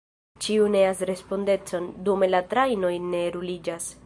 Ĉiu neas respondecon: dume la trajnoj ne ruliĝas.